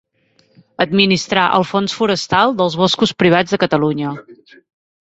Administrar el Fons forestal dels boscos privats de Catalunya.